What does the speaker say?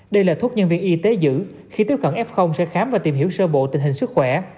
đây là thuốc nhân viên y tế giữ khi tiếp cận f sẽ khám và tìm hiểu sơ bộ tình hình sức khỏe